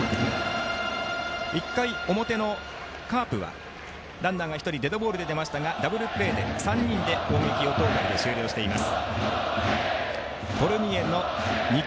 １回表のカープはランナーが１人デッドボールで出ましたがダブルプレーで３人で攻撃をトータルで終了しています。